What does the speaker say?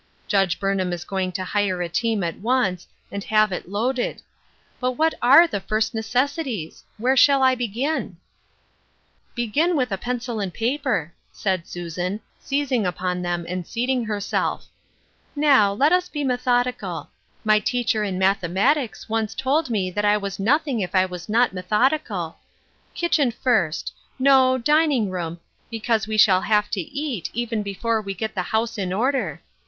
Judge Burnham is going to hire a team at once, and have it loaded. But what are the first necessi ties ? Where shall I begin ?"«" Begin with a pencil and paper," said Susan, seizing upon them and seating herself. " Now, let us be methodical. My teacher in mathemat ics once told me that I was nothing if I was not methodical. Kitchen first — no, dining room, because we shall have to eat even before we get the house in order.